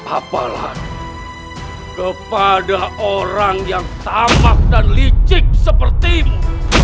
apalagi kepada orang yang tamak dan licik sepertimu